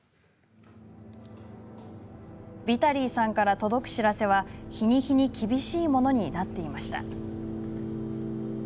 ヴィタリーさんから届く知らせは日に日に、厳しいものになっていました。